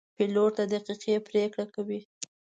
پیلوټ دقیقې پرېکړې کوي.